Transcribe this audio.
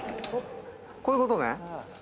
こういうことね。